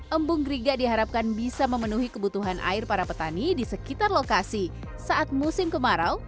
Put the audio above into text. embung griga diharapkan bisa memenuhi kebutuhan air para petani di sekitar lokasi saat musim kemarau